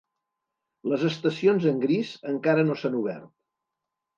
Les estacions en gris encara no s'han obert.